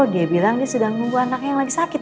dia bilang dia sudah nunggu anaknya yang lagi sakit